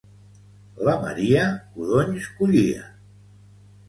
La Maria codonys collia